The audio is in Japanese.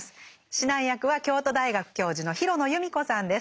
指南役は京都大学教授の廣野由美子さんです。